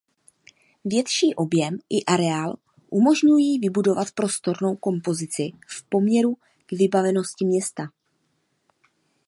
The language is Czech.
Větší objem i areál umožňují vybudovat prostorovou kompozici v poměru k vybavenosti města.